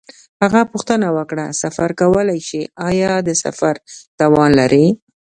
هغه پوښتنه وکړه: سفر کولای شې؟ آیا د سفر توان لرې؟